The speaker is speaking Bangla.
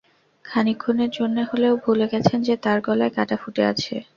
খানিকক্ষণের জন্যে হলেও ভুলে গেছেন যে তাঁর গলায় কাটা ফুটে আছে।